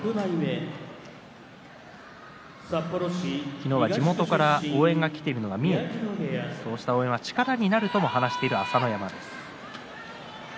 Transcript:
昨日は地元から応援が来ているのが見えてそうした応援は力にもなると話している朝乃山です。